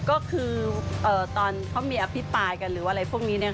ก็คือตอนเขามีอภิปายกันหรือว่าอะไรพวกนี้เนี่ยค่ะ